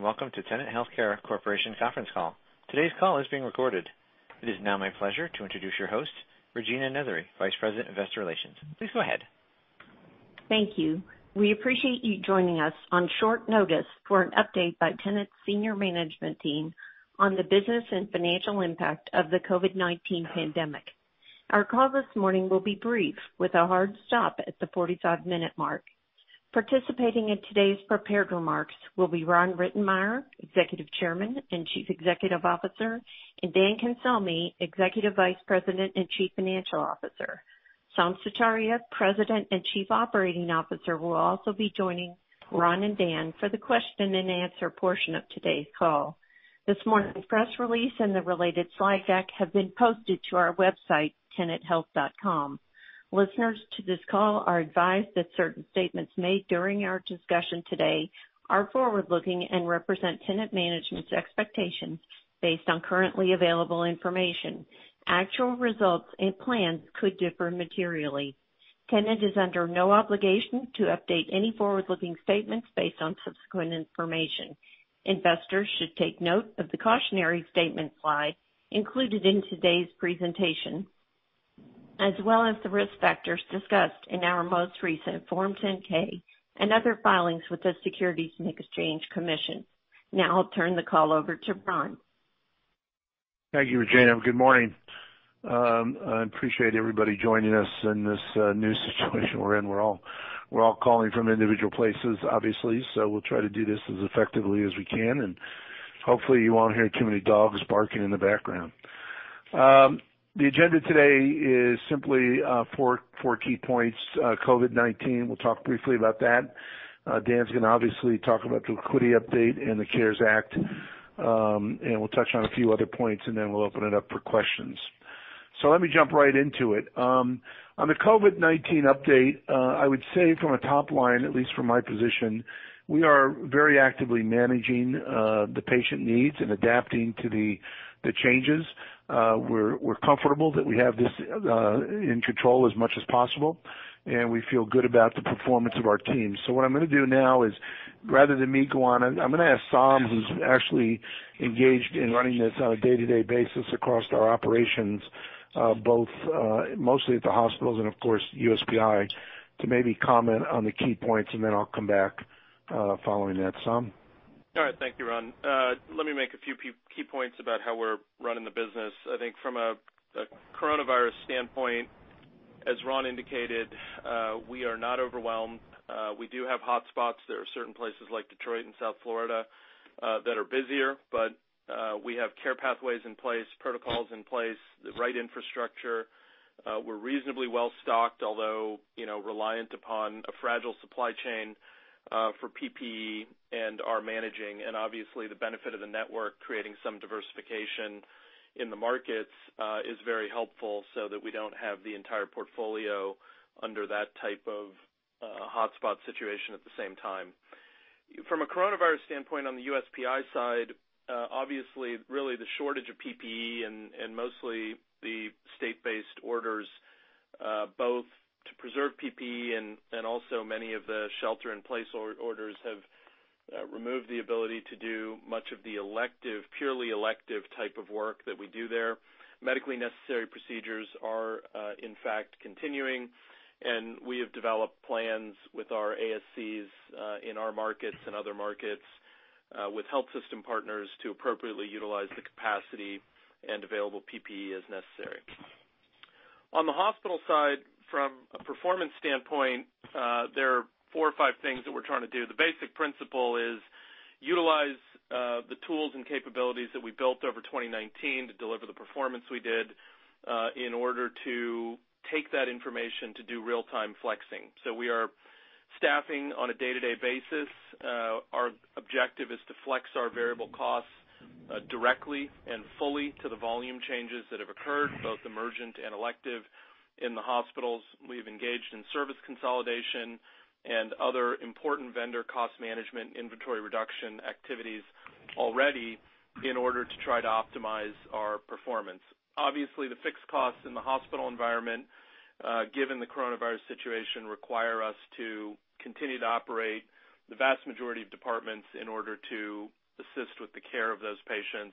Greetings, welcome to Tenet Healthcare Corporation conference call. Today's call is being recorded. It is now my pleasure to introduce your host, Regina Nethery, Vice President, Investor Relations. Please go ahead. Thank you. We appreciate you joining us on short notice for an update by Tenet senior management team on the business and financial impact of the COVID-19 pandemic. Our call this morning will be brief, with a hard stop at the 45-minute mark. Participating in today's prepared remarks will be Ron Rittenmeyer, Executive Chairman and Chief Executive Officer, and Dan Cancelmi, Executive Vice President and Chief Financial Officer. Saum Sutaria, President and Chief Operating Officer, will also be joining Ron and Dan for the question-and-answer portion of today's call. This morning's press release and the related slide deck have been posted to our website, tenethealth.com. Listeners to this call are advised that certain statements made during our discussion today are forward-looking and represent Tenet management's expectations based on currently available information. Actual results and plans could differ materially. Tenet is under no obligation to update any forward-looking statements based on subsequent information. Investors should take note of the cautionary statement slide included in today's presentation, as well as the risk factors discussed in our most recent Form 10-K and other filings with the Securities and Exchange Commission. I'll turn the call over to Ron. Thank you, Regina. Good morning. I appreciate everybody joining us in this new situation we're in. We're all calling from individual places, obviously, so we'll try to do this as effectively as we can, and hopefully you won't hear too many dogs barking in the background. The agenda today is simply four key points. COVID-19, we'll talk briefly about that. Dan's going to obviously talk about the liquidity update and the CARES Act, and we'll touch on a few other points, and then we'll open it up for questions. Let me jump right into it. On the COVID-19 update, I would say from a top line, at least from my position, we are very actively managing the patient needs and adapting to the changes. We're comfortable that we have this in control as much as possible, and we feel good about the performance of our team. What I'm going to do now is, rather than me go on, I'm going to ask Saum, who's actually engaged in running this on a day-to-day basis across our operations, both mostly at the hospitals and, of course, USPI, to maybe comment on the key points, and then I'll come back following that. Saum? All right. Thank you, Ron. Let me make a few key points about how we're running the business. I think from a coronavirus standpoint, as Ron indicated, we are not overwhelmed. We do have hotspots. There are certain places like Detroit and South Florida that are busier, but we have care pathways in place, protocols in place, the right infrastructure. We're reasonably well-stocked, although reliant upon a fragile supply chain for PPE and are managing, and obviously the benefit of the network creating some diversification in the markets is very helpful so that we don't have the entire portfolio under that type of hotspot situation at the same time. From a coronavirus standpoint on the USPI side, obviously really the shortage of PPE and mostly the state-based orders, both to preserve PPE and also many of the shelter-in-place orders have removed the ability to do much of the elective, purely elective type of work that we do there. Medically necessary procedures are, in fact, continuing, and we have developed plans with our ASCs in our markets and other markets with health system partners to appropriately utilize the capacity and available PPE as necessary. On the hospital side, from a performance standpoint, there are four or five things that we're trying to do. The basic principle is utilize the tools and capabilities that we built over 2019 to deliver the performance we did in order to take that information to do real-time flexing. We are staffing on a day-to-day basis. Our objective is to flex our variable costs directly and fully to the volume changes that have occurred, both emergent and elective in the hospitals. We've engaged in service consolidation and other important vendor cost management inventory reduction activities already in order to try to optimize our performance. Obviously, the fixed costs in the hospital environment, given the COVID-19 situation, require us to continue to operate the vast majority of departments in order to assist with the care of those patients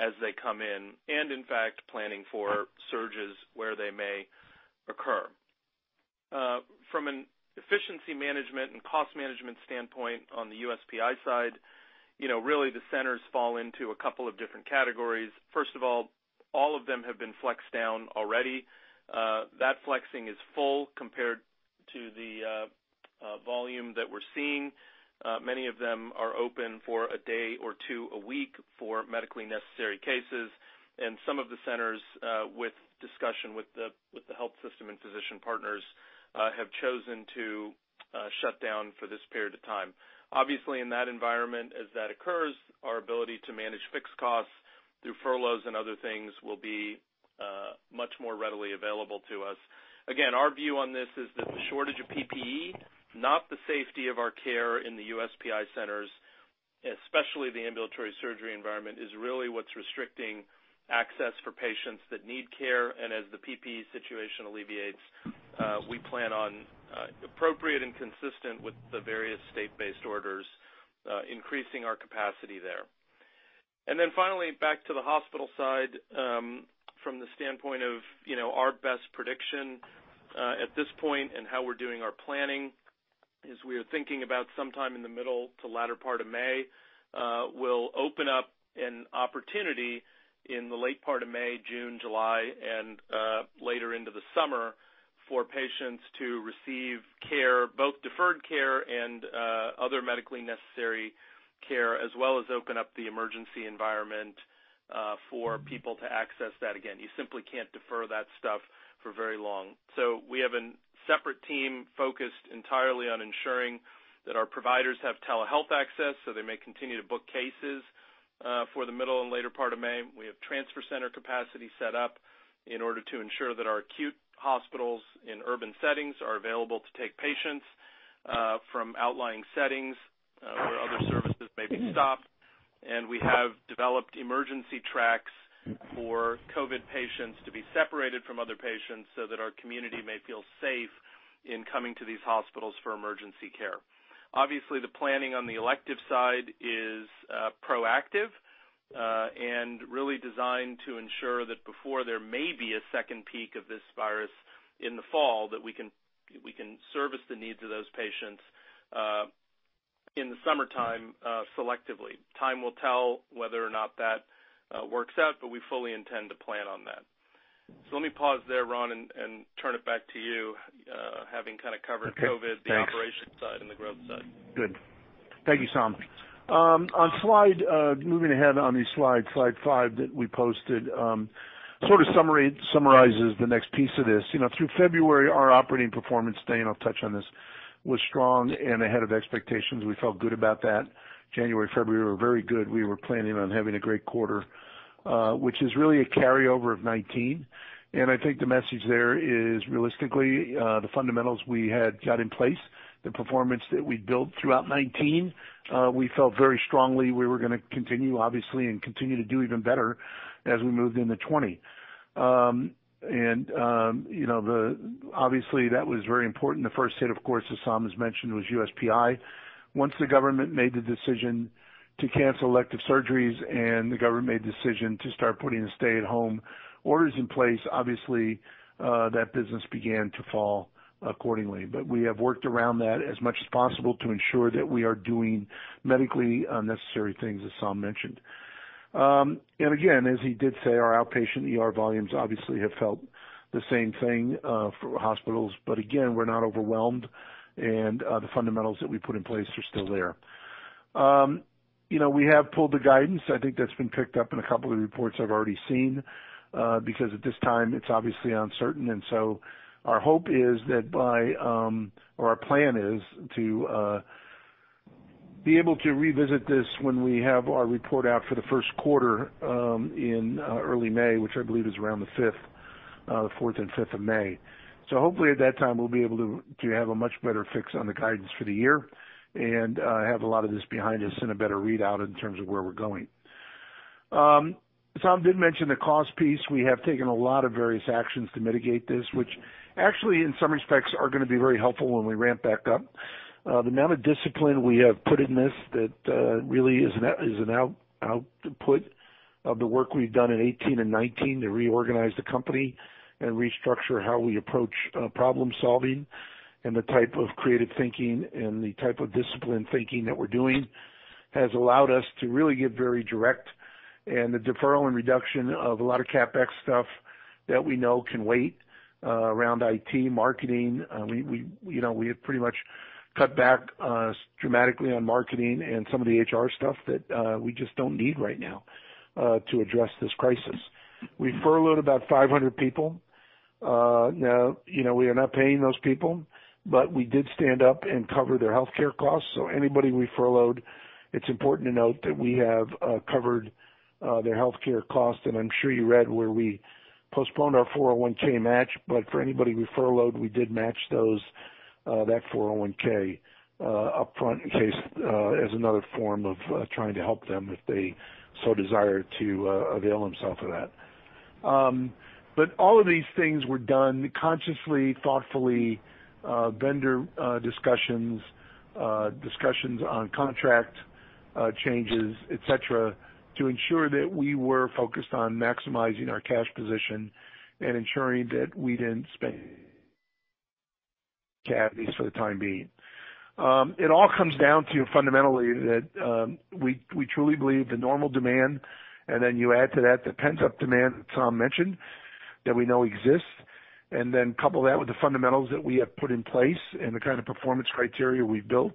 as they come in, and in fact, planning for surges where they may occur. From an efficiency management and cost management standpoint on the USPI side, really the centers fall into a couple of different categories. First of all of them have been flexed down already. That flexing is full compared to the volume that we're seeing. Many of them are open for a day or two a week for medically necessary cases, and some of the centers, with discussion with the health system and physician partners, have chosen to shut down for this period of time. Obviously, in that environment, as that occurs, our ability to manage fixed costs through furloughs and other things will be much more readily available to us. Again, our view on this is that the shortage of PPE, not the safety of our care in the USPI centers, especially the ambulatory surgery environment, is really what's restricting access for patients that need care. As the PPE situation alleviates, we plan on appropriate and consistent with the various state-based orders, increasing our capacity there. Finally, back to the hospital side, from the standpoint of our best prediction at this point and how we're doing our planning, is we are thinking about sometime in the middle to latter part of May, we'll open up an opportunity in the late part of May, June, July, and later into the summer for patients to receive care, both deferred care and other medically necessary care, as well as open up the emergency environment for people to access that again. You simply can't defer that stuff for very long. We have a separate team focused entirely on ensuring that our providers have telehealth access, so they may continue to book cases for the middle and later part of May. We have transfer center capacity set up in order to ensure that our acute hospitals in urban settings are available to take patients from outlying settings where other services may be stopped. We have developed emergency tracks for COVID patients to be separated from other patients so that our community may feel safe in coming to these hospitals for emergency care. Obviously, the planning on the elective side is proactive and really designed to ensure that before there may be a second peak of this virus in the fall, that we can service the needs of those patients in the summertime selectively. Time will tell whether or not that works out, but we fully intend to plan on that. Let me pause there, Ron, and turn it back to you, having kind of covered COVID. Okay, thanks. the operations side and the growth side. Good. Thank you, Saum. Moving ahead on the slide five that we posted sort of summarizes the next piece of this. Through February, our operating performance, Dan, I'll touch on this, was strong and ahead of expectations. We felt good about that. January, February were very good. We were planning on having a great quarter, which is really a carryover of 2019. I think the message there is realistically, the fundamentals we had got in place, the performance that we built throughout 2019, we felt very strongly we were going to continue, obviously, and continue to do even better as we moved into 2020. Obviously, that was very important. The first hit, of course, as Saum has mentioned, was USPI. Once the government made the decision to cancel elective surgeries and the government made the decision to start putting the stay-at-home orders in place, obviously, that business began to fall accordingly. We have worked around that as much as possible to ensure that we are doing medically necessary things, as Saum mentioned. Again, as he did say, our outpatient ER volumes obviously have felt the same thing for hospitals. Again, we're not overwhelmed, and the fundamentals that we put in place are still there. We have pulled the guidance. I think that's been picked up in a couple of reports I've already seen, because at this time, it's obviously uncertain. Our plan is to be able to revisit this when we have our report out for the first quarter in early May, which I believe is around the fifth, fourth and fifth of May. Hopefully at that time, we'll be able to have a much better fix on the guidance for the year and have a lot of this behind us and a better readout in terms of where we're going. Saum did mention the cost piece. We have taken a lot of various actions to mitigate this, which actually in some respects are going to be very helpful when we ramp back up. The amount of discipline we have put in this that really is an output of the work we've done in 2018 and 2019 to reorganize the company and restructure how we approach problem-solving and the type of creative thinking and the type of disciplined thinking that we're doing, has allowed us to really get very direct in the deferral and reduction of a lot of CapEx stuff that we know can wait around IT, marketing. We have pretty much cut back dramatically on marketing and some of the HR stuff that we just don't need right now to address this crisis. We furloughed about 500 people. We are not paying those people, but we did stand up and cover their healthcare costs. Anybody we furloughed, it's important to note that we have covered their healthcare costs. I'm sure you read where we postponed our 401 match, but for anybody we furloughed, we did match that 401 upfront as another form of trying to help them if they so desire to avail themselves of that. All of these things were done consciously, thoughtfully, vendor discussions on contract changes, et cetera, to ensure that we were focused on maximizing our cash position and ensuring that we didn't spend for the time being. It all comes down to fundamentally that we truly believe the normal demand, and then you add to that the pent-up demand that Saum mentioned that we know exists, and then couple that with the fundamentals that we have put in place and the kind of performance criteria we've built,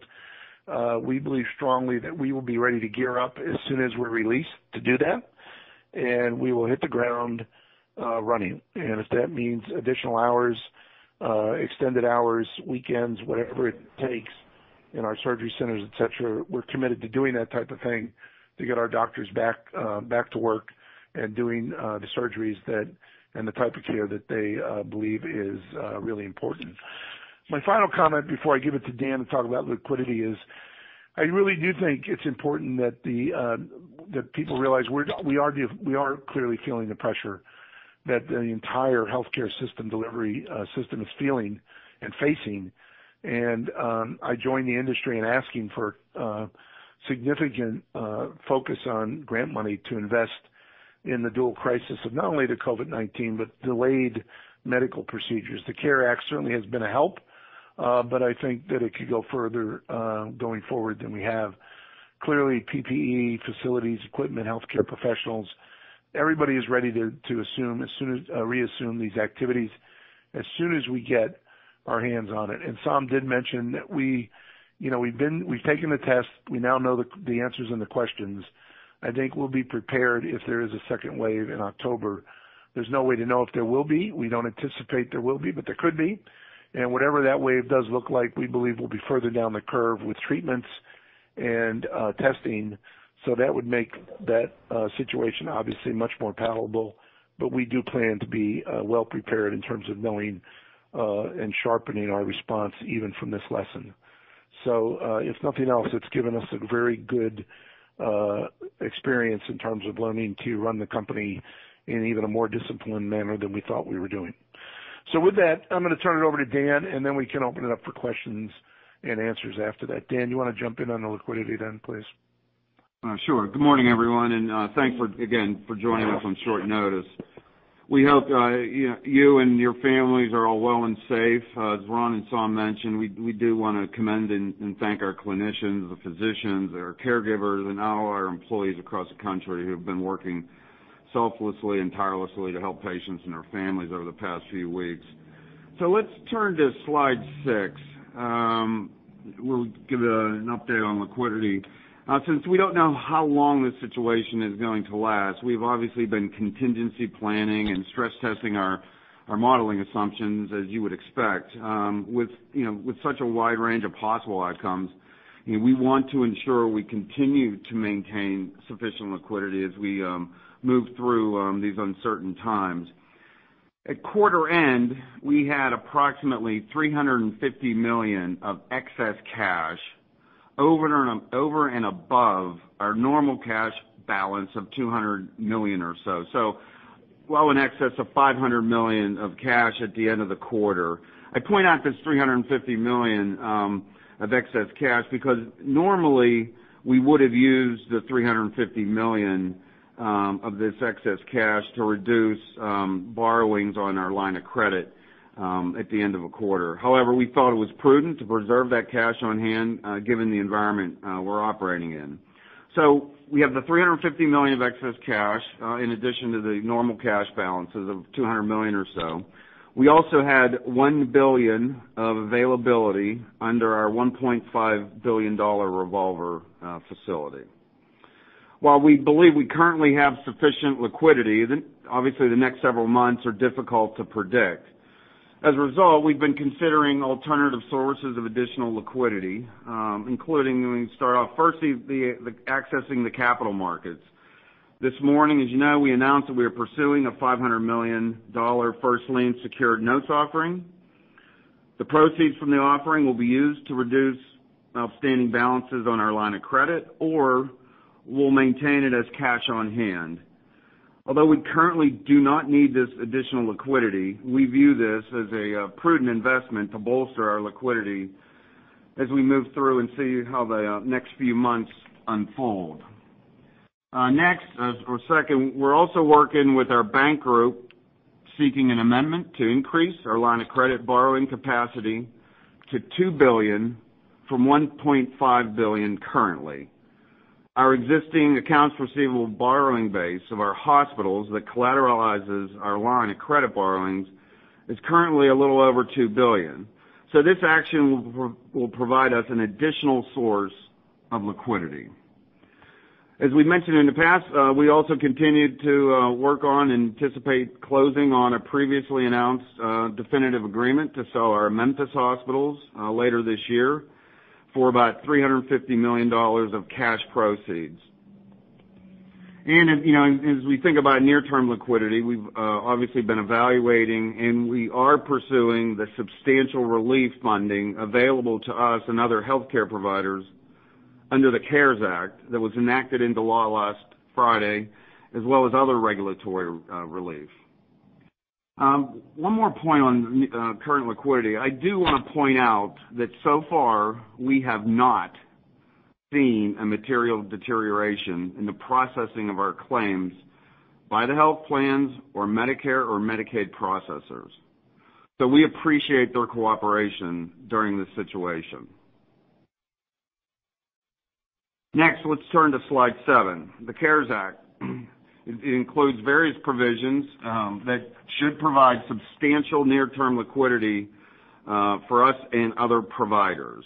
we believe strongly that we will be ready to gear up as soon as we're released to do that. We will hit the ground running. And if that means additional hours, extended hours, weekends, whatever it takes in our surgery centers, et cetera, we're committed to doing that type of thing to get our doctors back to work and doing the surgeries and the type of care that they believe is really important. My final comment before I give it to Dan to talk about liquidity is I really do think it's important that people realize we are clearly feeling the pressure that the entire healthcare system delivery system is feeling and facing. I join the industry in asking for significant focus on grant money to invest in the dual crisis of not only the COVID-19, but delayed medical procedures. The CARES Act certainly has been a help, but I think that it could go further, going forward than we have. PPE, facilities, equipment, healthcare professionals, everybody is ready to reassume these activities as soon as we get our hands on it. Saum did mention that we've taken the test, we now know the answers and the questions. I think we'll be prepared if there is a second wave in October. There's no way to know if there will be. We don't anticipate there will be, but there could be. Whatever that wave does look like, we believe we'll be further down the curve with treatments and testing. That would make that situation obviously much more palatable. We do plan to be well prepared in terms of knowing, and sharpening our response even from this lesson. If nothing else, it's given us a very good experience in terms of learning to run the company in even a more disciplined manner than we thought we were doing. With that, I'm going to turn it over to Dan, and then we can open it up for questions-and-answers after that. Dan, you want to jump in on the liquidity then, please? Sure. Good morning, everyone. Thanks again for joining us on short notice. We hope you and your families are all well and safe. As Ron and Saum mentioned, we do want to commend and thank our clinicians, the physicians, our caregivers, and all our employees across the country who've been working selflessly and tirelessly to help patients and their families over the past few weeks. Let's turn to slide six. We'll give an update on liquidity. Since we don't know how long this situation is going to last, we've obviously been contingency planning and stress testing our modeling assumptions as you would expect. With such a wide range of possible outcomes, we want to ensure we continue to maintain sufficient liquidity as we move through these uncertain times. At quarter end, we had approximately $350 million of excess cash over and above our normal cash balance of $200 million or so. Well in excess of $500 million of cash at the end of the quarter. I point out this $350 million of excess cash because normally we would have used the $350 million of this excess cash to reduce borrowings on our line of credit at the end of a quarter. However, we thought it was prudent to preserve that cash on hand given the environment we're operating in. We have the $350 million of excess cash in addition to the normal cash balances of $200 million or so. We also had $1 billion of availability under our $1.5 billion revolver facility. While we believe we currently have sufficient liquidity, obviously the next several months are difficult to predict. As a result, we've been considering alternative sources of additional liquidity, including, let me start off, firstly, accessing the capital markets. This morning, as you know, we announced that we are pursuing a $500 million first lien secured notes offering. The proceeds from the offering will be used to reduce outstanding balances on our line of credit, or we'll maintain it as cash on hand. Although we currently do not need this additional liquidity, we view this as a prudent investment to bolster our liquidity as we move through and see how the next few months unfold. Second, we're also working with our bank group, seeking an amendment to increase our line of credit borrowing capacity to $2 billion from $1.5 billion currently. Our existing accounts receivable borrowing base of our hospitals that collateralizes our line of credit borrowings is currently a little over $2 billion. This action will provide us an additional source of liquidity. As we mentioned in the past, we also continue to work on closing on a previously announced definitive agreement to sell our Memphis hospitals later this year for about $350 million of cash proceeds. As we think about near-term liquidity, we've obviously been evaluating, and we are pursuing the substantial relief funding available to us and other healthcare providers under the CARES Act that was enacted into law last Friday, as well as other regulatory relief. One more point on current liquidity. I do want to point out that so far we have not seen a material deterioration in the processing of our claims by the health plans or Medicare or Medicaid processors. We appreciate their cooperation during this situation. Next, let's turn to slide seven, the CARES Act. It includes various provisions that should provide substantial near-term liquidity for us and other providers.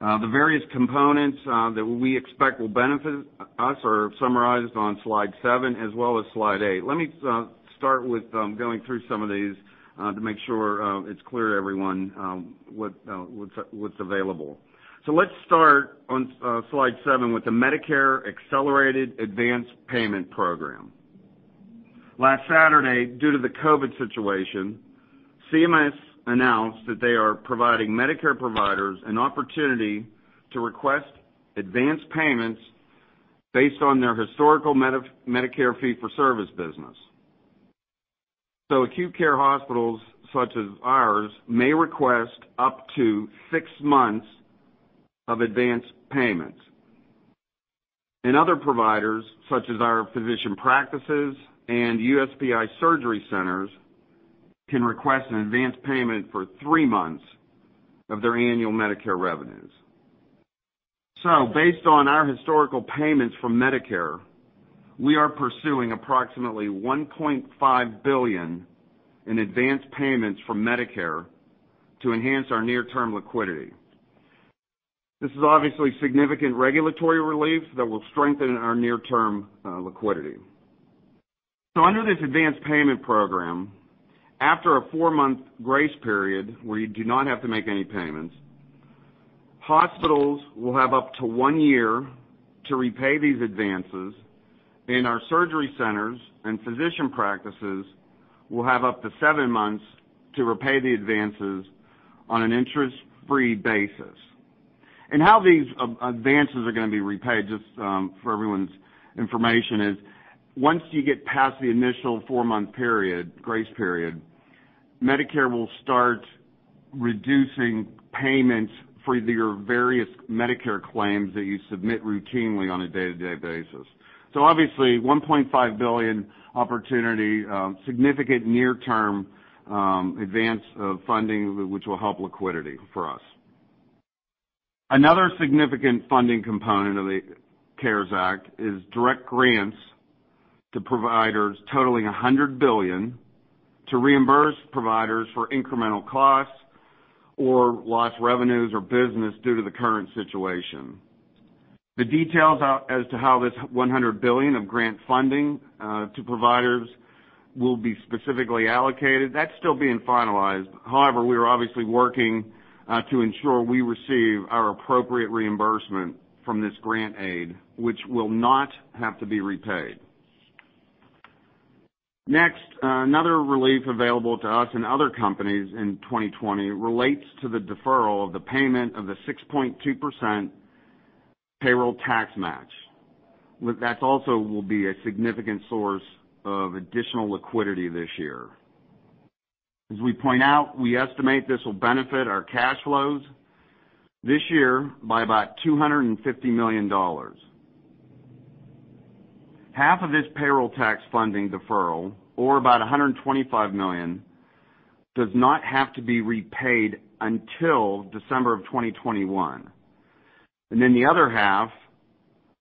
The various components that we expect will benefit us are summarized on slide seven as well as slide eight. Let me start with going through some of these to make sure it's clear to everyone what's available. Let's start on slide seven with the Medicare Accelerated and Advance Payment Program. Last Saturday, due to the COVID-19 situation, CMS announced that they are providing Medicare providers an opportunity to request advance payments based on their historical Medicare fee-for-service business. Acute care hospitals, such as ours, may request up to six months of advance payments. Other providers, such as our physician practices and USPI surgery centers, can request an advance payment for three months of their annual Medicare revenues. Based on our historical payments from Medicare, we are pursuing approximately $1.5 billion in advance payments from Medicare to enhance our near-term liquidity. This is obviously significant regulatory relief that will strengthen our near-term liquidity. Under this advance payment program, after a four-month grace period where you do not have to make any payments, hospitals will have up to one year to repay these advances, and our surgery centers and physician practices will have up to seven months to repay the advances on an interest-free basis. How these advances are going to be repaid, just for everyone's information is, once you get past the initial four-month grace period, Medicare will start reducing payments for your various Medicare claims that you submit routinely on a day-to-day basis. Obviously, $1.5 billion opportunity, significant near-term advance of funding, which will help liquidity for us. Another significant funding component of the CARES Act is direct grants to providers totaling $100 billion to reimburse providers for incremental costs or lost revenues or business due to the current situation. The details as to how this $100 billion of grant funding to providers will be specifically allocated, that's still being finalized. We are obviously working to ensure we receive our appropriate reimbursement from this grant aid, which will not have to be repaid. Another relief available to us and other companies in 2020 relates to the deferral of the payment of the 6.2% payroll tax match. That also will be a significant source of additional liquidity this year. As we point out, we estimate this will benefit our cash flows this year by about $250 million. Half of this payroll tax funding deferral, or about $125 million, does not have to be repaid until December 2021. The other half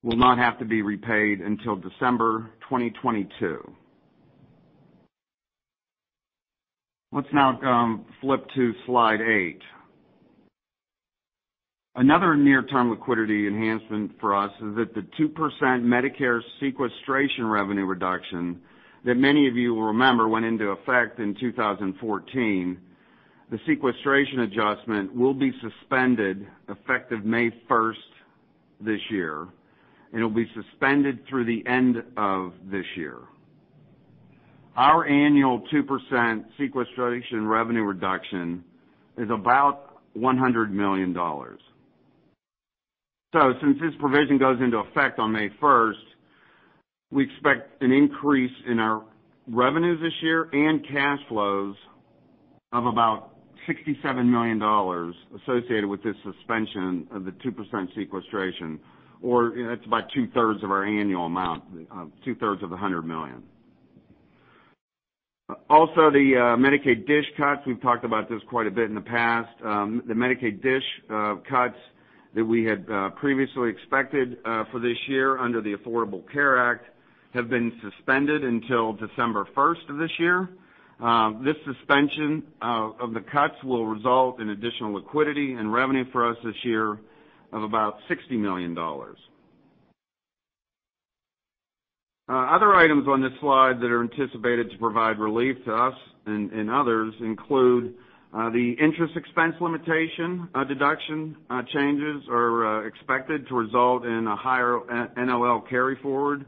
will not have to be repaid until December 2022. Let's now flip to slide eight. Another near-term liquidity enhancement for us is that the 2% Medicare sequestration revenue reduction that many of you will remember went into effect in 2014, the sequestration adjustment will be suspended effective May 1st this year, and it will be suspended through the end of this year. Our annual 2% Medicare sequestration revenue reduction is about $100 million. Since this provision goes into effect on May 1st, we expect an increase in our revenues this year and cash flows of about $67 million associated with this suspension of the 2% sequestration, or it's about 2/3 of our annual amount, 2/3 of the $100 million. The Medicaid DSH cuts, we've talked about this quite a bit in the past. The Medicaid DSH cuts that we had previously expected for this year under the Affordable Care Act have been suspended until December 1st of this year. This suspension of the cuts will result in additional liquidity and revenue for us this year of about $60 million. Other items on this slide that are anticipated to provide relief to us and others include the interest expense limitation deduction changes are expected to result in a higher NOL carryforward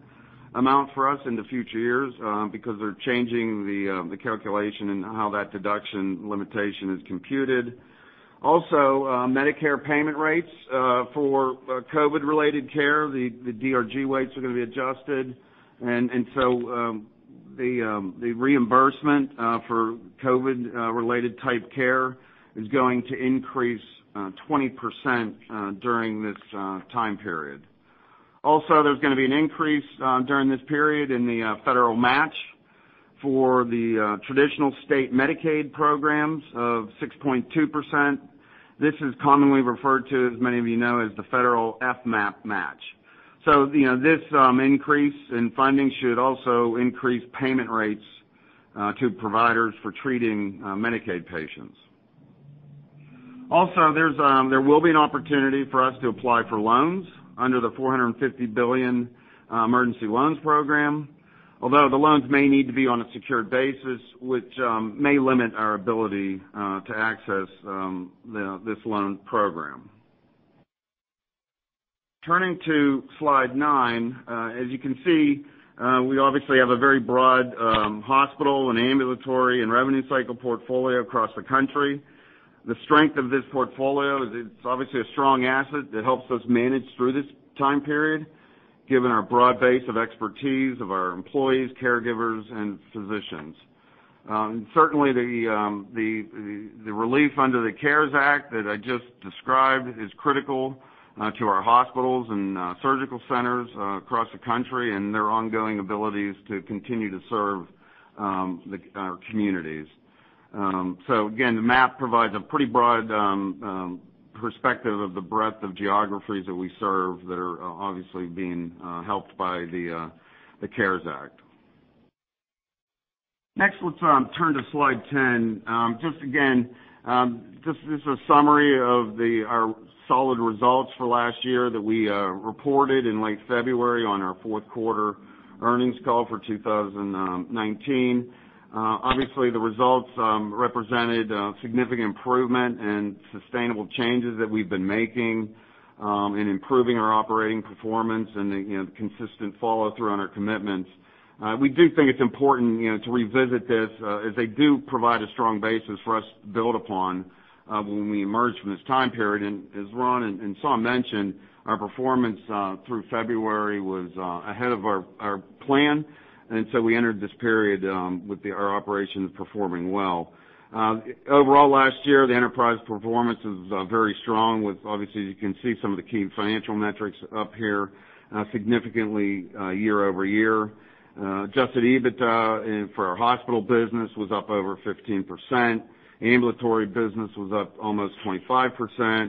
amount for us in the future years because they're changing the calculation and how that deduction limitation is computed. Medicare payment rates for COVID-related care, the DRG rates are going to be adjusted. The reimbursement for COVID-related type care is going to increase 20% during this time period. There's going to be an increase during this period in the federal match for the traditional state Medicaid programs of 6.2%. This is commonly referred to, as many of you know, as the federal FMAP match. This increase in funding should also increase payment rates to providers for treating Medicaid patients. There will be an opportunity for us to apply for loans under the $450 billion emergency loans program, although the loans may need to be on a secured basis, which may limit our ability to access this loan program. Turning to slide nine. As you can see, we obviously have a very broad hospital and ambulatory and revenue cycle portfolio across the country. The strength of this portfolio is it's obviously a strong asset that helps us manage through this time period, given our broad base of expertise of our employees, caregivers, and physicians. Certainly, the relief under the CARES Act that I just described is critical to our hospitals and surgical centers across the country and their ongoing abilities to continue to serve our communities. Again, the map provides a pretty broad perspective of the breadth of geographies that we serve that are obviously being helped by the CARES Act. Let's turn to slide 10. Just again, this is a summary of our solid results for last year that we reported in late February on our fourth quarter earnings call for 2019. The results represented a significant improvement and sustainable changes that we've been making in improving our operating performance and the consistent follow-through on our commitments. We do think it's important to revisit this, as they do provide a strong basis for us to build upon when we emerge from this time period. As Ron and Saum mentioned, our performance through February was ahead of our plan, and so we entered this period with our operations performing well. Overall last year, the enterprise performance was very strong with, obviously, as you can see, some of the key financial metrics up here significantly year-over-year. Adjusted EBITDA for our hospital business was up over 15%. Ambulatory business was up almost 25%,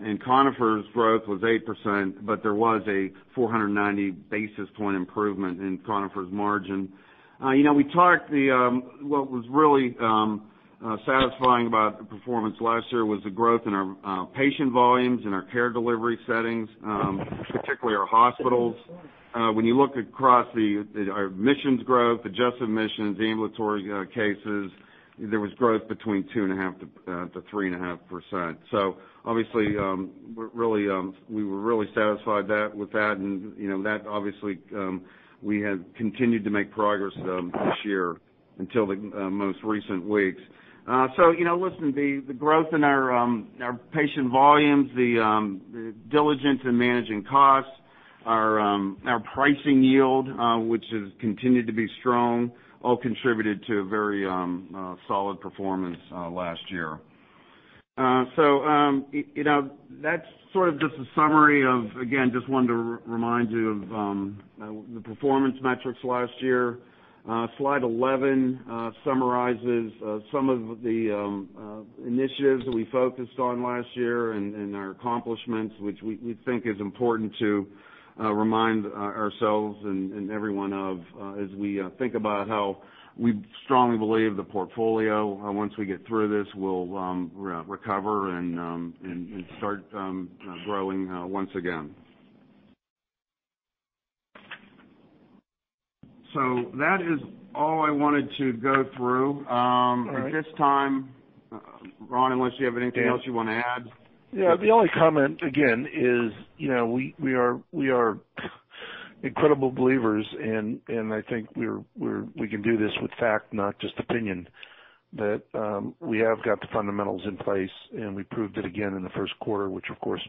and Conifer's growth was 8%, but there was a 490 basis point improvement in Conifer's margin. What was really satisfying about the performance last year was the growth in our patient volumes and our care delivery settings, particularly our hospitals. When you look across our admissions growth, adjusted admissions, ambulatory cases, there was growth between 2.5%-3.5%. Obviously, we were really satisfied with that, and obviously, we have continued to make progress this year until the most recent weeks. Listen, the growth in our patient volumes, the diligence in managing costs, our pricing yield, which has continued to be strong, all contributed to a very solid performance last year. That's sort of just a summary of, again, just wanted to remind you of the performance metrics last year. Slide 11 summarizes some of the initiatives that we focused on last year and our accomplishments, which we think is important to remind ourselves and everyone of as we think about how we strongly believe the portfolio, once we get through this, will recover and start growing once again. That is all I wanted to go through. At this time, Ron, unless you have anything else you want to add. Yeah. The only comment, again, is we are incredible believers, and I think we can do this with fact, not just opinion, that we have got the fundamentals in place, and we proved it again in the first quarter, which, of course,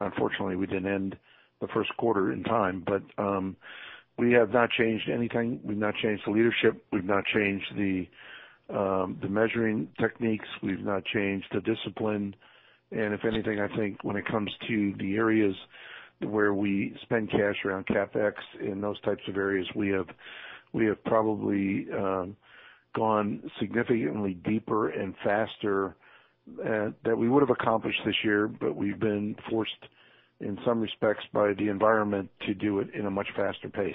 unfortunately, we didn't end the first quarter in time. We have not changed anything. We've not changed the leadership. We've not changed the measuring techniques. We've not changed the discipline. If anything, I think when it comes to the areas where we spend cash around CapEx, in those types of areas, we have probably gone significantly deeper and faster that we would have accomplished this year, but we've been forced, in some respects by the environment, to do it in a much faster pace.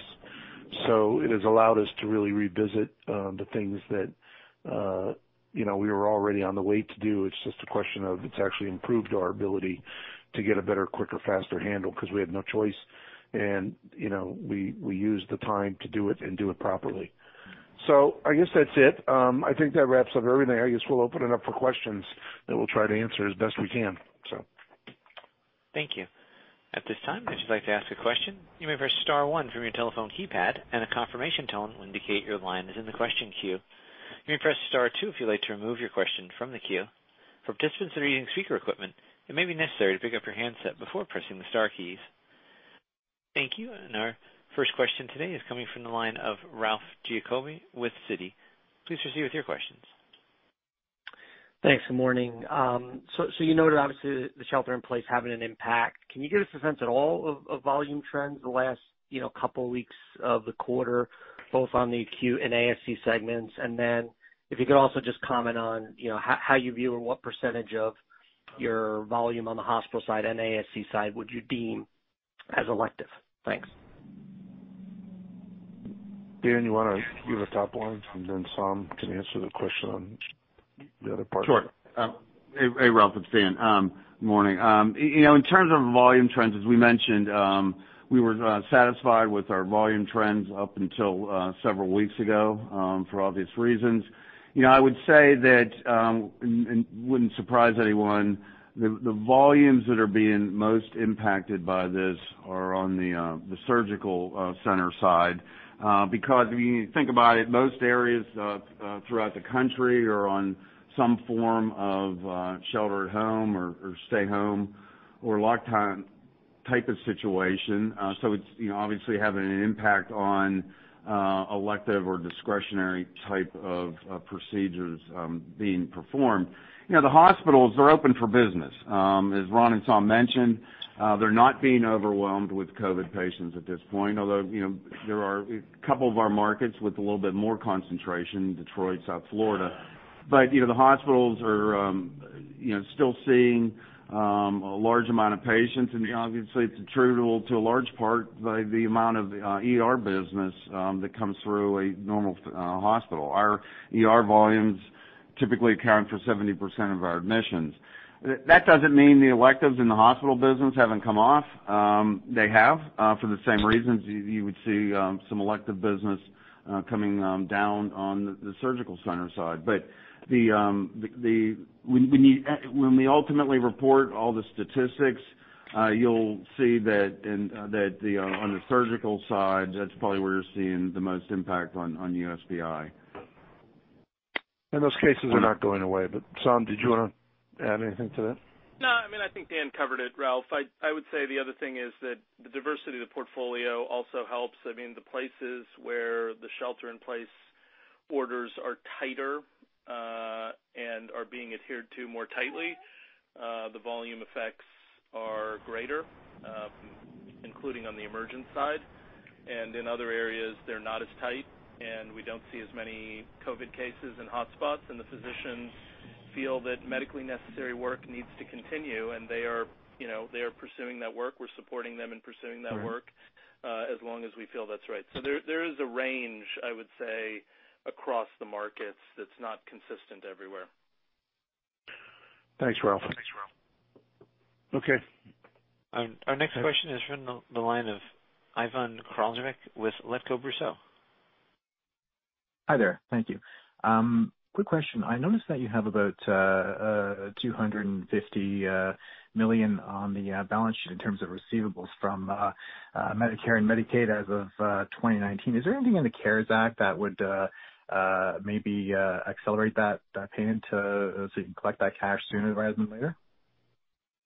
It has allowed us to really revisit the things that we were already on the way to do. It's just a question of it's actually improved our ability to get a better, quicker, faster handle because we had no choice, and we used the time to do it and do it properly. I guess that's it. I think that wraps up everything. I guess we'll open it up for questions that we'll try to answer as best we can. Thank you. At this time, if you'd like to ask a question, you may press star one from your telephone keypad. A confirmation tone will indicate your line is in the question queue. You may press star two if you'd like to remove your question from the queue. For participants that are using speaker equipment, it may be necessary to pick up your handset before pressing the star keys. Thank you. Our first question today is coming from the line of Ralph Giacobbe with Citi. Please proceed with your questions. Thanks, good morning. You noted, obviously, the shelter in place having an impact. Can you give us a sense at all of volume trends the last couple weeks of the quarter, both on the acute and ASC segments? If you could also just comment on how you view or what % of your volume on the hospital side and ASC side would you deem as elective? Thanks. Dan, do you want to give a top line, and then Saum can answer the question on- Sure. Hey, Ralph, it's Dan. Morning. In terms of volume trends, as we mentioned, we were satisfied with our volume trends up until several weeks ago for obvious reasons. I would say that, and it wouldn't surprise anyone, the volumes that are being most impacted by this are on the surgical center side. When you think about it, most areas throughout the country are on some form of shelter at home, or stay home, or lockdown type of situation. It's obviously having an impact on elective or discretionary type of procedures being performed. The hospitals are open for business. As Ron and Saum mentioned, they're not being overwhelmed with COVID patients at this point, although, there are a couple of our markets with a little bit more concentration, Detroit, South Florida. The hospitals are still seeing a large amount of patients, and obviously it's attributable to a large part by the amount of ER business that comes through a normal hospital. Our ER volumes typically account for 70% of our admissions. That doesn't mean the electives in the hospital business haven't come off. They have, for the same reasons you would see some elective business coming down on the surgical center side. When we ultimately report all the statistics, you'll see that on the surgical side, that's probably where you're seeing the most impact on USPI. Those cases are not going away. Saum, did you want to add anything to that? No, I think Dan covered it, Ralph. I would say the other thing is that the diversity of the portfolio also helps. The places where the shelter in place orders are tighter, and are being adhered to more tightly, the volume effects are greater, including on the emergent side. In other areas, they're not as tight, and we don't see as many COVID-19 cases and hotspots, and the physicians feel that medically necessary work needs to continue, and they are pursuing that work. We're supporting them in pursuing that work as long as we feel that's right. There is a range, I would say, across the markets that's not consistent everywhere. Thanks, Ralph. Okay. Our next question is from the line of Ivan Kraljevic with Letko, Brosseau & Associates. Hi there. Thank you. Quick question. I noticed that you have about $250 million on the balance sheet in terms of receivables from Medicare and Medicaid as of 2019. Is there anything in the CARES Act that would maybe accelerate that payment so you can collect that cash sooner rather than later?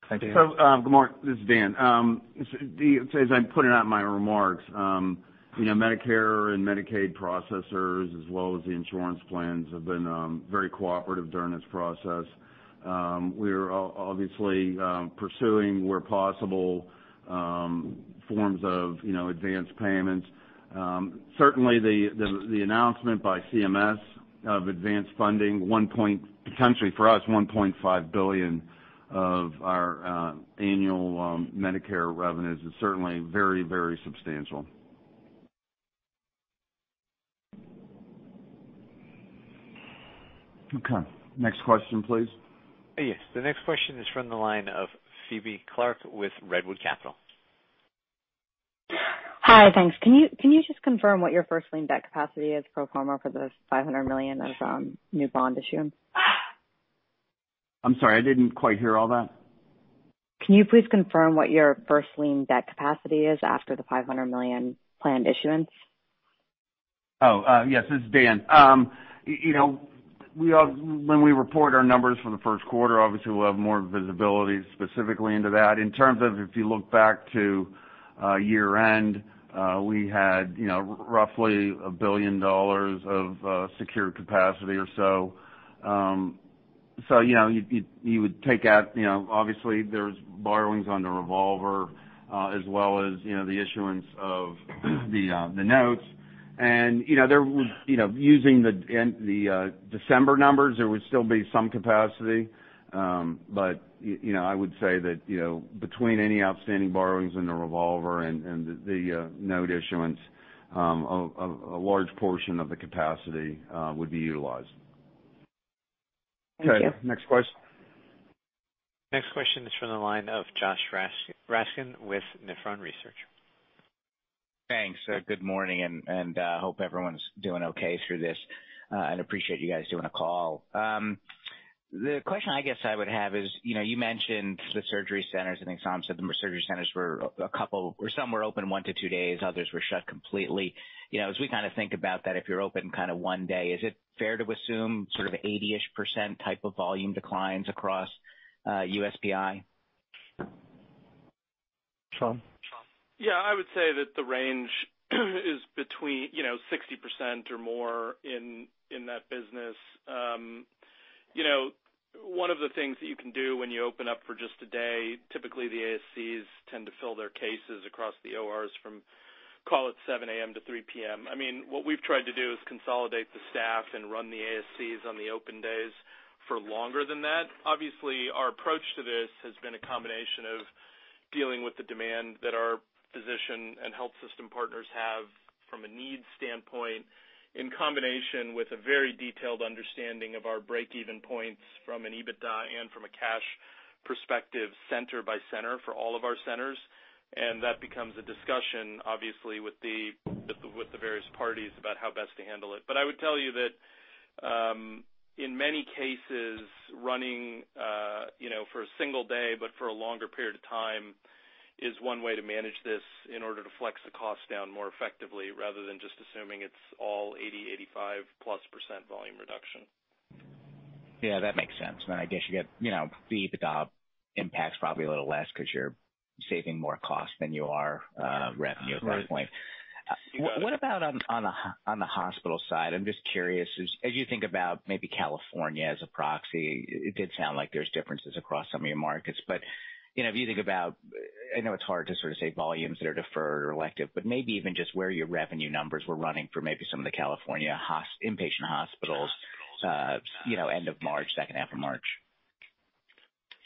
Thank you. Good morning. This is Dan. As I'm putting out my remarks, Medicare and Medicaid processors, as well as the insurance plans, have been very cooperative during this process. We're obviously pursuing where possible forms of advanced payments. Certainly, the announcement by CMS of advanced funding, potentially for us, $1.5 billion of our annual Medicare revenues is certainly very substantial. Okay. Next question, please. Yes. The next question is from the line of Phoebe Clarke with Redwood Capital. Hi, thanks. Can you just confirm what your first lien debt capacity is pro forma for the $500 million of new bond issuance? I'm sorry, I didn't quite hear all that. Can you please confirm what your first lien debt capacity is after the $500 million planned issuance? Oh, yes. This is Dan. When we report our numbers for the first quarter, obviously, we'll have more visibility specifically into that. In terms of if you look back to year-end, we had roughly $1 billion of secured capacity or so. You would take out, obviously, there's borrowings on the revolver, as well as the issuance of the notes. Using the December numbers, there would still be some capacity. I would say that between any outstanding borrowings in the revolver and the note issuance, a large portion of the capacity would be utilized. Thank you. Okay, next question. Next question is from the line of Joshua Raskin with Nephron Research. Thanks. Good morning, hope everyone's doing okay through this, and appreciate you guys doing a call. The question I guess I would have is, you mentioned the surgery centers, then Saum said the surgery centers, some were open one to two days, others were shut completely. As we think about that, if you're open one day, is it fair to assume sort of 80%-ish type of volume declines across USPI? Saum? Yeah, I would say that the range is between 60% or more in that business. One of the things that you can do when you open up for just a day, typically the ASCs tend to fill their cases across the ORs from call it 7:00 A.M. to 3:00 P.M. What we've tried to do is consolidate the staff and run the ASCs on the open days for longer than that. Obviously, our approach to this has been a combination of dealing with the demand that our physician and health system partners have from a needs standpoint, in combination with a very detailed understanding of our break-even points from an EBITDA and from a cash perspective, center by center for all of our centers. That becomes a discussion, obviously, with the various parties about how best to handle it. I would tell you that in many cases, running for a single day but for a longer period of time is one way to manage this in order to flex the cost down more effectively, rather than just assuming it's all 80%, 85%+ volume reduction. Yeah, that makes sense. I guess the EBITDA impact's probably a little less because you're saving more cost than you are revenue at that point. Right. What about on the hospital side? I'm just curious, as you think about maybe California as a proxy, it did sound like there's differences across some of your markets. If you think about, I know it's hard to sort of say volumes that are deferred or elective, but maybe even just where your revenue numbers were running for maybe some of the California inpatient hospitals end of March, second half of March.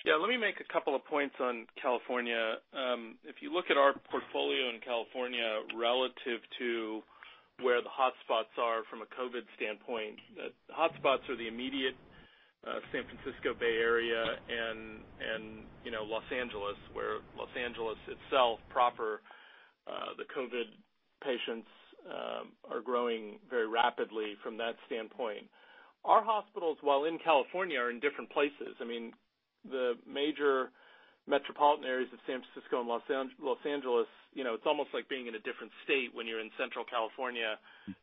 Yeah. Let me make a couple of points on California. If you look at our portfolio in California relative to where the hotspots are from a COVID standpoint, the hotspots are the immediate San Francisco Bay Area and Los Angeles, where Los Angeles itself proper, the COVID patients are growing very rapidly from that standpoint. Our hospitals, while in California, are in different places. The major metropolitan areas of San Francisco and Los Angeles, it's almost like being in a different state when you're in Central California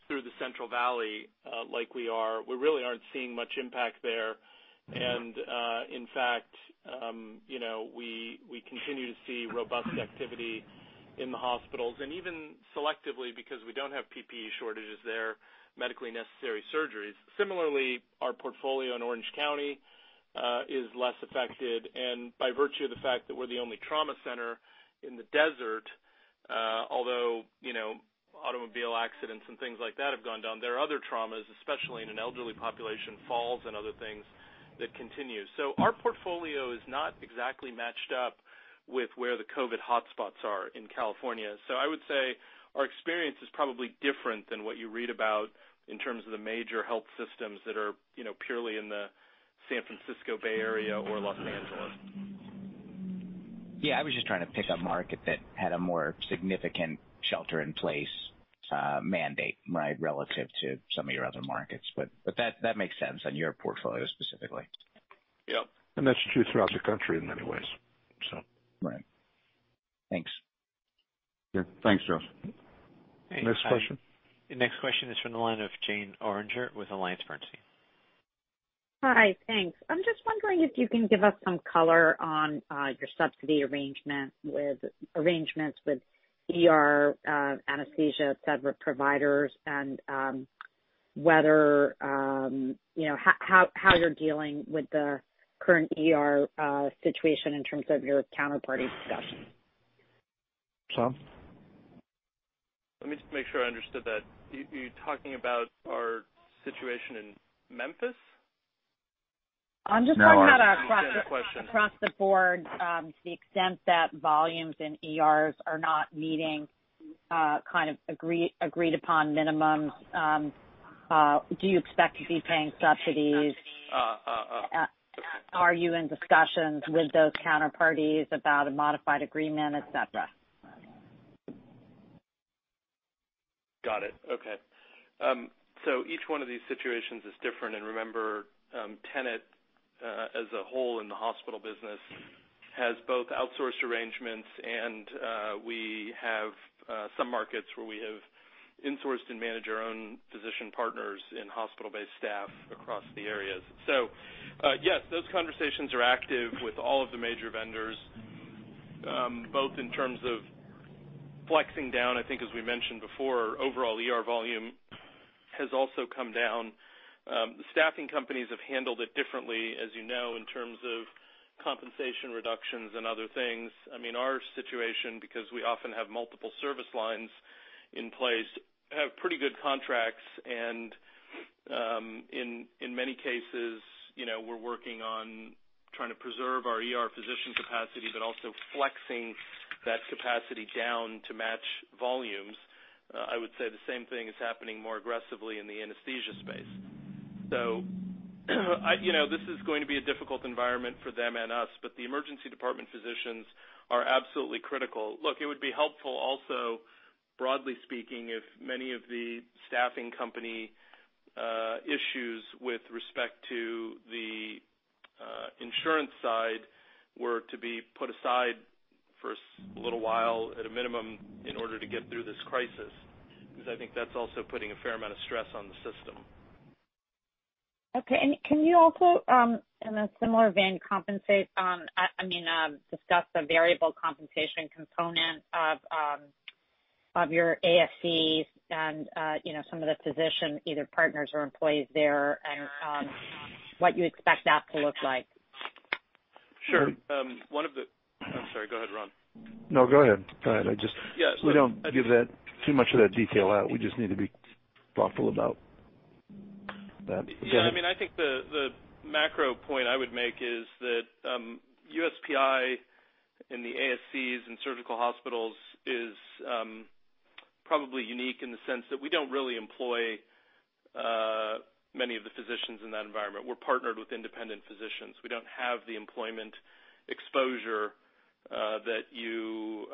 through the Central Valley, like we are. We really aren't seeing much impact there. In fact, we continue to see robust activity in the hospitals, and even selectively because we don't have PPE shortages there, medically necessary surgeries. Similarly, our portfolio in Orange County is less affected, and by virtue of the fact that we're the only trauma center in the desert. Although, automobile accidents and things like that have gone down. There are other traumas, especially in an elderly population, falls and other things that continue. Our portfolio is not exactly matched up with where the COVID-19 hotspots are in California. I would say our experience is probably different than what you read about in terms of the major health systems that are purely in the San Francisco Bay Area or Los Angeles. Yeah, I was just trying to pick a market that had a more significant shelter-in-place mandate, right? Relative to some of your other markets. That makes sense on your portfolio specifically. Yep. That's true throughout the country in many ways. Right. Thanks. Yeah. Thanks, Joshua. Next question. The next question is from the line of Jane Orringer with AllianceBernstein. Hi, thanks. I'm just wondering if you can give us some color on your subsidy arrangements with ER anesthesia, et cetera, providers, and how you're dealing with the current ER situation in terms of your counterparty discussions? Saum? Let me just make sure I understood that. You're talking about our situation in Memphis? I'm just talking about across. No across the board, to the extent that volumes in ERs are not meeting agreed-upon minimums. Do you expect to be paying subsidies? Oh. Are you in discussions with those counterparties about a modified agreement, et cetera? Got it. Okay. Each one of these situations is different, and remember, Tenet as a whole in the hospital business has both outsourced arrangements and we have some markets where we have insourced and manage our own physician partners and hospital-based staff across the areas. Yes, those conversations are active with all of the major vendors, both in terms of flexing down, I think as we mentioned before, overall ER volume has also come down. The staffing companies have handled it differently, as you know, in terms of compensation reductions and other things. Our situation, because we often have multiple service lines in place, have pretty good contracts and in many cases, we're working on trying to preserve our ER physician capacity, but also flexing that capacity down to match volumes. I would say the same thing is happening more aggressively in the anesthesia space. This is going to be a difficult environment for them and us, but the emergency department physicians are absolutely critical. Look, it would be helpful also, broadly speaking, if many of the staffing company issues with respect to the insurance side were to be put aside for a little while, at a minimum, in order to get through this crisis. I think that's also putting a fair amount of stress on the system. Okay. Can you also, in a similar vein, discuss the variable compensation component of your ASCs and some of the physician, either partners or employees there, and what you expect that to look like? Sure. I'm sorry, go ahead, Ron. No, go ahead. We don't give too much of that detail out. We just need to be thoughtful about. Yeah, I think the macro point I would make is that USPI and the ASCs and surgical hospitals is probably unique in the sense that we don't really employ many of the physicians in that environment. We're partnered with independent physicians. We don't have the employment exposure that you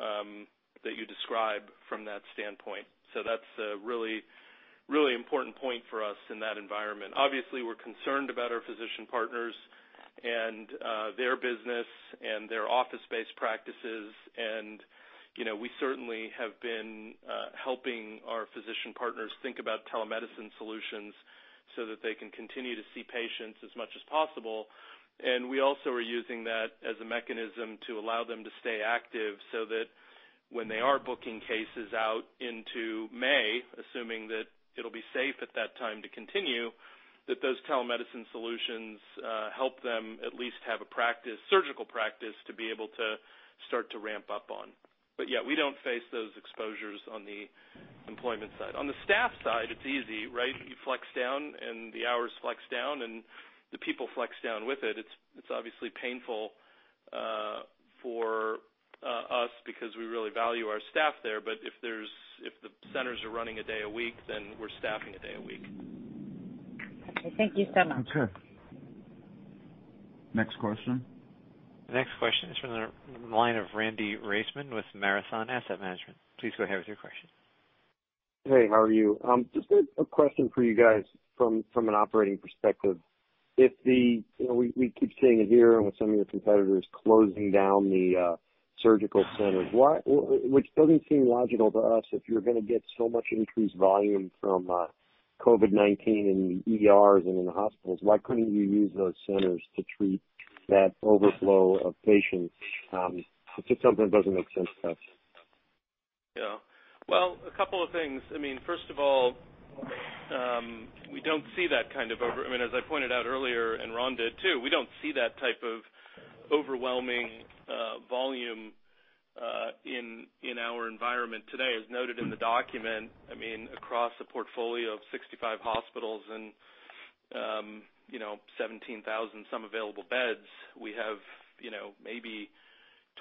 describe from that standpoint. That's a really important point for us in that environment. Obviously, we're concerned about our physician partners and their business and their office-based practices, and we certainly have been helping our physician partners think about telemedicine solutions so that they can continue to see patients as much as possible. We also are using that as a mechanism to allow them to stay active so that when they are booking cases out into May, assuming that it'll be safe at that time to continue, that those telemedicine solutions help them at least have a surgical practice to be able to start to ramp up on. Yeah, we don't face those exposures on the employment side. On the staff side, it's easy, right? You flex down, and the hours flex down, and the people flex down with it. It's obviously painful for us because we really value our staff there. If the centers are running a day a week, then we're staffing a day a week. Okay. Thank you, Saum. Okay. Next question. The next question is from the line of Randy Raisman with Marathon Asset Management. Please go ahead with your question. Hey, how are you? Just a question for you guys from an operating perspective. We keep seeing it here and with some of your competitors closing down the surgical centers, which doesn't seem logical to us if you're going to get so much increased volume from COVID-19 in the ERs and in the hospitals. Why couldn't you use those centers to treat that overflow of patients? It's just something that doesn't make sense to us. Yeah. Well, a couple of things. First of all, as I pointed out earlier, and Ron did too, we don't see that type of overwhelming volume in our environment today. As noted in the document, across a portfolio of 65 hospitals and 17,000 some available beds, we have maybe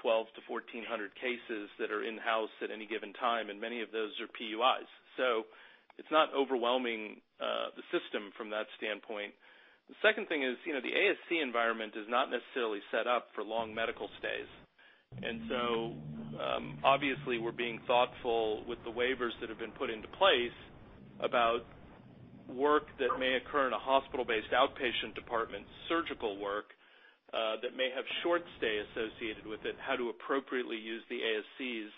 1,200 to 1,400 cases that are in-house at any given time. Many of those are PUIs. It's not overwhelming the system from that standpoint. The second thing is the ASC environment is not necessarily set up for long medical stays. Obviously we're being thoughtful with the waivers that have been put into place about work that may occur in a hospital-based outpatient department, surgical work that may have short stay associated with it, how to appropriately use the ASCs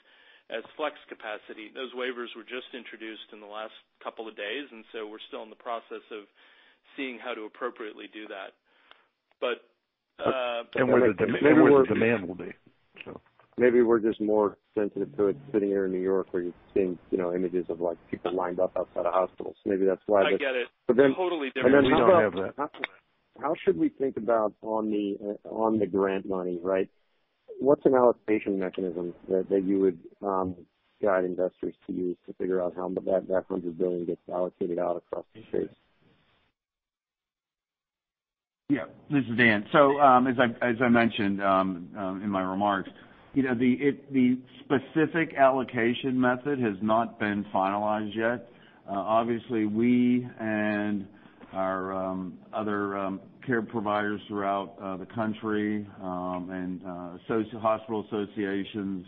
as flex capacity. Those waivers were just introduced in the last couple of days, we're still in the process of seeing how to appropriately do that. Where the demand will be. Maybe we're just more sensitive to it sitting here in New York where you're seeing images of people lined up outside of hospitals. Maybe that's why. I get it. Totally different. We don't have that. How should we think about on the grant money, right? What's an allocation mechanism that you would guide investors to use to figure out how that $100 billion gets allocated out across the states? This is Dan. As I mentioned in my remarks, the specific allocation method has not been finalized yet. Obviously, we and other care providers throughout the country, and hospital associations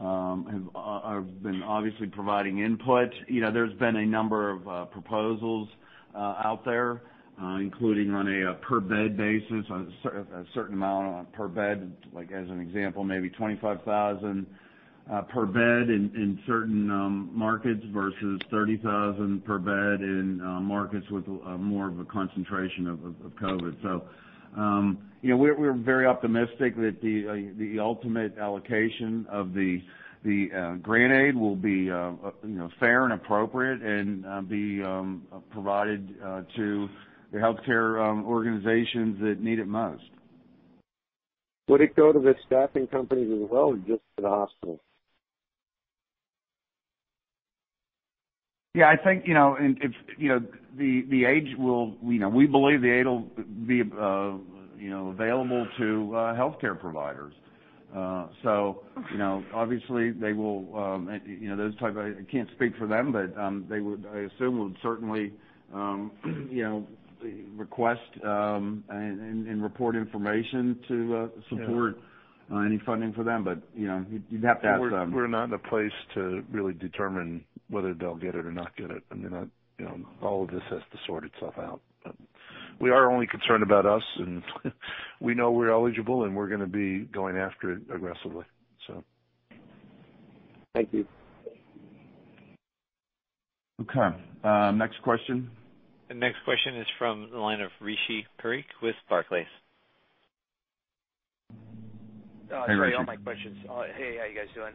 have been obviously providing input. There's been a number of proposals out there, including on a per-bed basis, a certain amount per bed, like as an example, maybe $25,000 per bed in certain markets versus $30,000 per bed in markets with more of a concentration of COVID. We're very optimistic that the ultimate allocation of the grant aid will be fair and appropriate and be provided to the healthcare organizations that need it most. Would it go to the staffing companies as well, or just to the hospitals? We believe the aid will be available to healthcare providers. Obviously I can't speak for them, but they would, I assume, would certainly request and report information to support any funding for them. You'd have to ask them. We're not in a place to really determine whether they'll get it or not get it. I mean, all of this has to sort itself out. We are only concerned about us, and we know we're eligible, and we're going to be going after it aggressively. Thank you. Okay. Next question. The next question is from the line of Rishi Parekh with Barclays. Hey, Rishi. Sorry, all my questions. Hey, how you guys doing?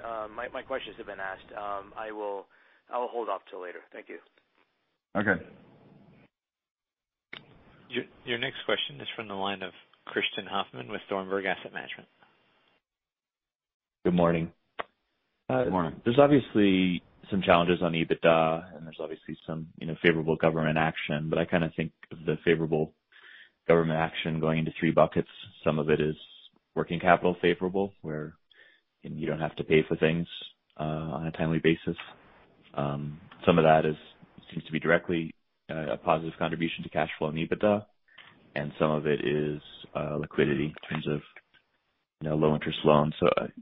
My questions have been asked. I will hold off till later. Thank you. Okay. Your next question is from the line of Christian Hoffmann with Thornburg Investment Management. Good morning. Good morning. There's obviously some challenges on EBITDA, and there's obviously some favorable government action, but I kind of think of the favorable government action going into three buckets. Some of it is working capital favorable, where you don't have to pay for things on a timely basis. Some of that seems to be directly a positive contribution to cash flow and EBITDA, and some of it is liquidity in terms of low-interest loans.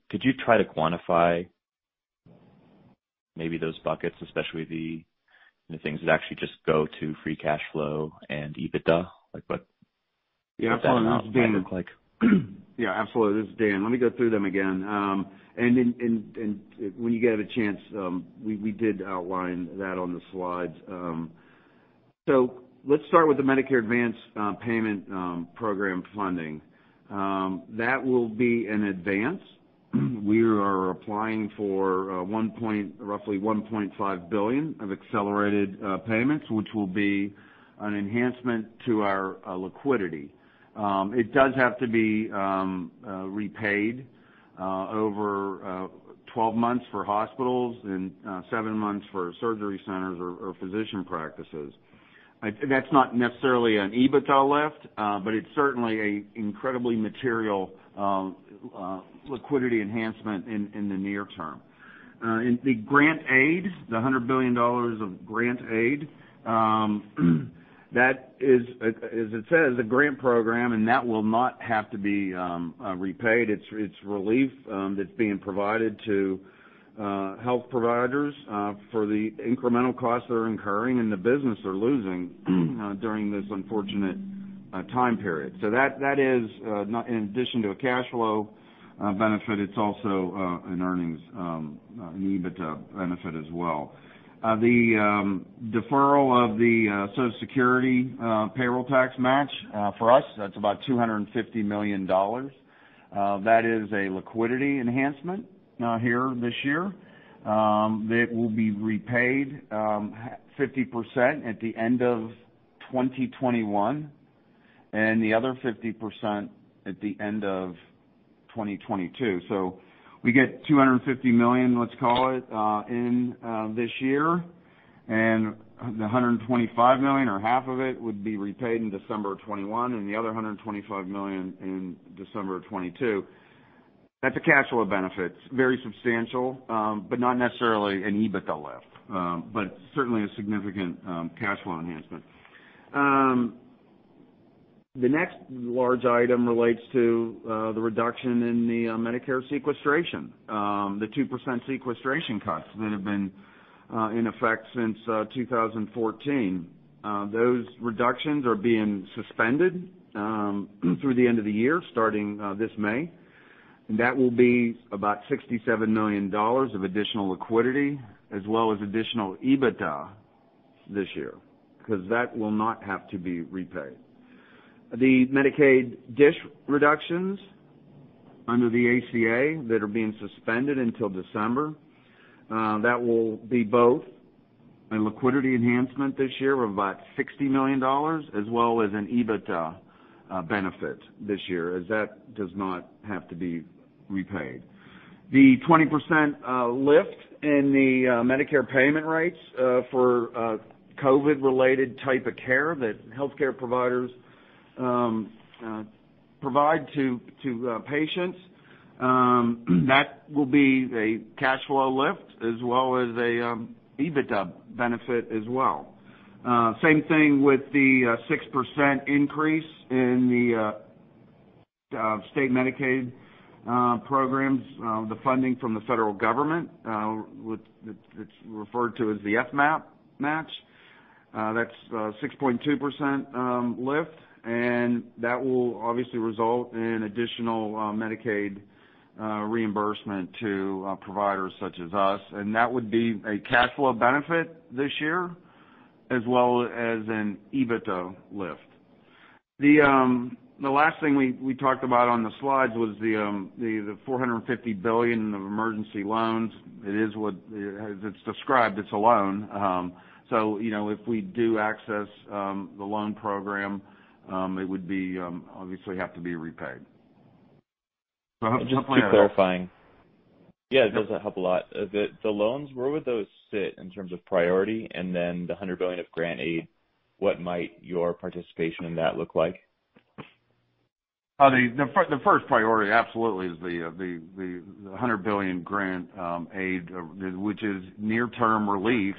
Could you try to quantify maybe those buckets, especially the things that actually just go to free cash flow and EBITDA? Like what? Yeah, absolutely. This is Dan that amount might look like? Yeah, absolutely. This is Dan. Let me go through them again. When you get a chance, we did outline that on the slides. Let's start with the Medicare Advance Payment Program funding. That will be an advance. We are applying for roughly $1.5 billion of accelerated payments, which will be an enhancement to our liquidity. It does have to be repaid over 12 months for hospitals and seven months for surgery centers or physician practices. That's not necessarily an EBITDA lift, but it's certainly an incredibly material liquidity enhancement in the near term. In the grant aid, the $100 billion of grant aid, that is, as it says, a grant program, that will not have to be repaid. It's relief that's being provided to health providers for the incremental costs they're incurring and the business they're losing during this unfortunate time period. That is, in addition to a cash flow benefit, it's also an earnings, an EBITDA benefit as well. The deferral of the Social Security payroll tax match. For us, that's about $250 million. That is a liquidity enhancement here this year. It will be repaid 50% at the end of 2021, and the other 50% at the end of 2022. We get $250 million, let's call it, in this year, and the $125 million or half of it would be repaid in December of 2021 and the other $125 million in December of 2022. That's a cash flow benefit. Very substantial, but not necessarily an EBITDA lift. Certainly a significant cash flow enhancement. The next large item relates to the reduction in the Medicare sequestration, the 2% sequestration cuts that have been in effect since 2014. Those reductions are being suspended through the end of the year, starting this May. That will be about $67 million of additional liquidity, as well as additional EBITDA this year, because that will not have to be repaid. The Medicaid DSH reductions under the ACA that are being suspended until December, that will be both a liquidity enhancement this year of about $60 million, as well as an EBITDA benefit this year, as that does not have to be repaid. The 20% lift in the Medicare payment rates for COVID related type of care that healthcare providers provide to patients, that will be a cash flow lift as well as an EBITDA benefit as well. Same thing with the 6% increase in the state Medicaid programs, the funding from the federal government, that is referred to as the FMAP match. That's a 6.2% lift, and that will obviously result in additional Medicaid reimbursement to providers such as us, and that would be a cash flow benefit this year, as well as an EBITDA lift. The last thing we talked about on the slides was the $450 billion of emergency loans. If we do access the loan program, it would obviously have to be repaid. Just clarifying. Yeah, it does help a lot. The loans, where would those sit in terms of priority? Then the $100 billion of grant aid, what might your participation in that look like? The first priority absolutely is the $100 billion grant aid, which is near-term relief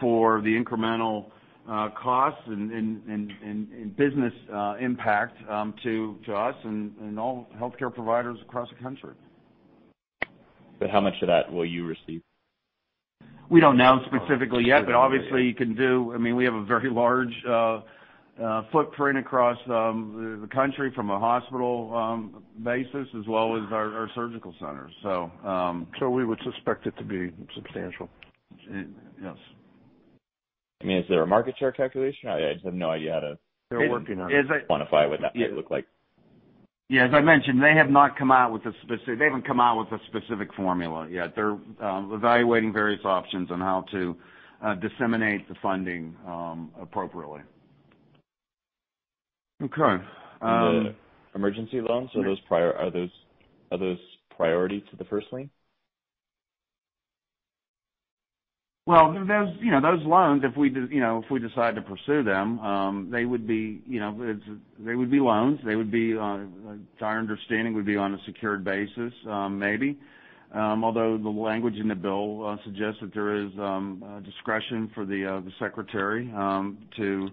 for the incremental costs and business impact to us and all healthcare providers across the country. How much of that will you receive? We don't know specifically yet. Obviously we have a very large footprint across the country from a hospital basis as well as our surgical centers. We would suspect it to be substantial. Yes. Is there a market share calculation? I have no idea. They're working on it. quantify what that might look like. Yeah, as I mentioned, they haven't come out with a specific formula yet. They're evaluating various options on how to disseminate the funding appropriately. Okay. The emergency loans, are those priority to the first lien? Well, those loans, if we decide to pursue them, they would be loans. To our understanding, they would be on a secured basis, maybe. Although the language in the bill suggests that there is discretion for the secretary to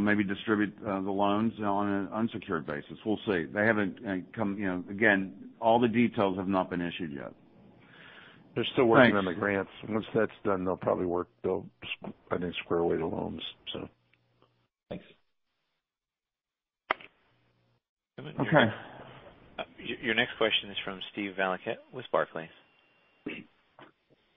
maybe distribute the loans on an unsecured basis. We'll see. Again, all the details have not been issued yet. They're still working on the grants. Once that's done, they'll probably work, I think, squarely the loans. Thanks. Okay. Your next question is from Steven Valiquette with Barclays.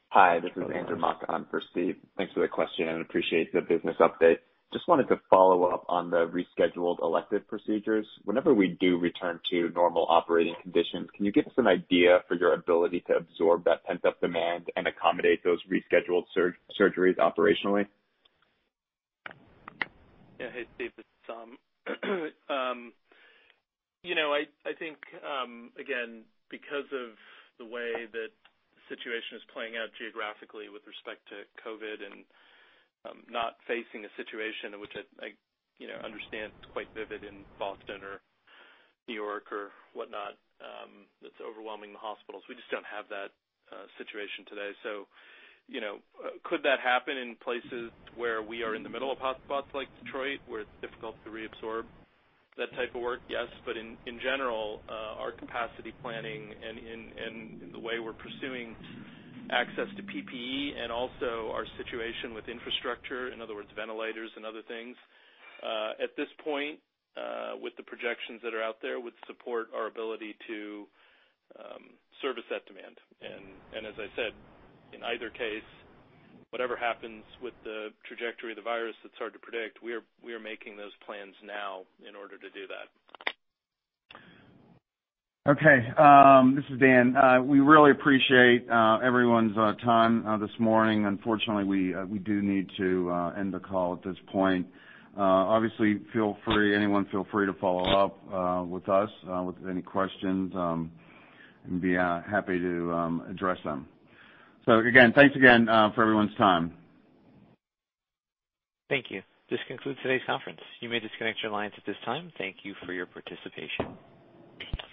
Hi, this is Andrew Mok for Steve. Thanks for the question. Appreciate the business update. Just wanted to follow up on the rescheduled elective procedures. Whenever we do return to normal operating conditions, can you give us an idea for your ability to absorb that pent-up demand and accommodate those rescheduled surgeries operationally? Yeah. Hey, Steve, this is Saum. I think, again, because of the way that the situation is playing out geographically with respect to COVID-19 and not facing a situation in which I understand it's quite vivid in Boston or New York or whatnot, that's overwhelming the hospitals. We just don't have that situation today. Could that happen in places where we are in the middle of hotspots like Detroit, where it's difficult to reabsorb that type of work? Yes. In general, our capacity planning and the way we're pursuing access to PPE and also our situation with infrastructure, in other words, ventilators and other things, at this point, with the projections that are out there, would support our ability to service that demand. As I said, in either case, whatever happens with the trajectory of the virus, it's hard to predict. We are making those plans now in order to do that. Okay. This is Dan. We really appreciate everyone's time this morning. Unfortunately, we do need to end the call at this point. Obviously, anyone feel free to follow up with us with any questions, and be happy to address them. Again, thanks again for everyone's time. Thank you. This concludes today's conference. You may disconnect your lines at this time. Thank you for your participation.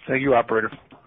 Thank you, operator. You're welcome.